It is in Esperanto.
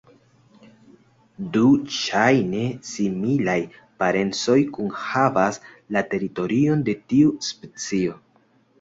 Du ŝajne similaj parencoj kunhavas la teritorion de tiu specio.